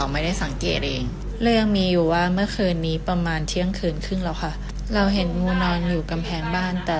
มันซ้อนกันมาเนี่ยหัวมันย้อนนะ